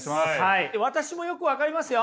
私もよく分かりますよ。